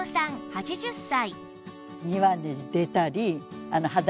８０歳